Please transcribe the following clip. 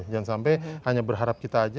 jangan sampai hanya berharap kita aja